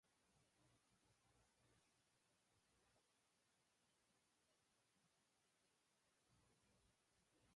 Similarly Renault now led the constructors points over Williams.